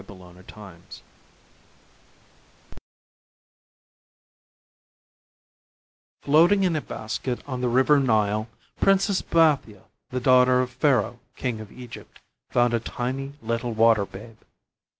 ] The Water Babe Floating in a basket on the River Nile, Princess Bathia, the daughter of Pharaoh, King of Egypt, found a tiny little water babe.